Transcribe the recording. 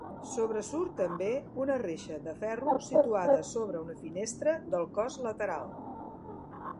Sobresurt també una reixa de ferro situada sobre una finestra del cos lateral.